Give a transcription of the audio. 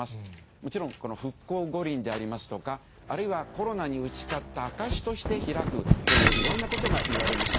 もちろん、この復興五輪でありますとか、あるいはコロナに打ち勝った証しとして開くという、いろんなことが言われました。